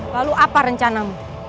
lalu apa rencanamu